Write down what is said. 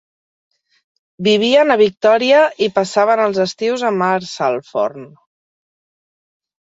Vivien a Victoria i passaven els estius a Marsalforn.